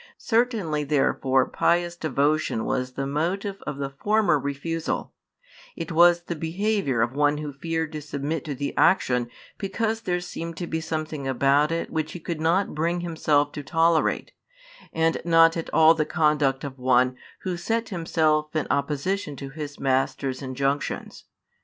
Certainly therefore pious devotion was the motive of the former refusal: it was the behaviour of one who feared to submit to the action because there seemed to be something about it which he could not bring himself to tolerate, and not at all the conduct of one who set himself in opposition to his master's injunctions.